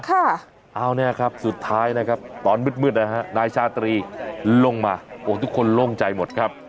เอาเนี่ยครับสุดท้ายนะครับตอนมืดนะฮะนายชาตรีลงมาโอ้ทุกคนโล่งใจหมดครับ